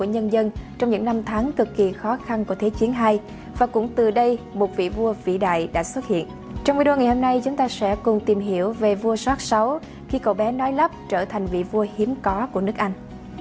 hôm nay chúng ta sẽ cùng tìm hiểu về vua soát xấu khi cậu bé nói lắp trở thành vị vua hiếm có của nước anh